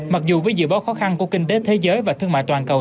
mặc dù với dự báo khó khăn của kinh tế thế giới và thương mại toàn cầu